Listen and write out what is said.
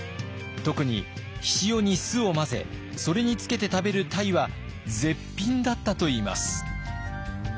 特に醤に酢を混ぜそれにつけて食べるタイは絶品だったといいます。